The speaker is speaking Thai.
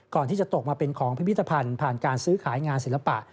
ก่อนที่จะตกมาเป็นของพิพิธภัณฑ์ผ่านการซื้อขายงานศิลปะ